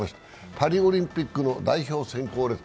パリオリンピックの代表選考レース。